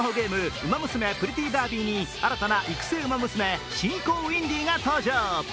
「ウマ娘プリティーダービー」に新たな育成ウマ娘シンコウウインディが登場。